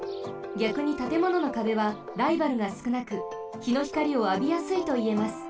ぎゃくにたてもののかべはライバルがすくなくひのひかりをあびやすいといえます。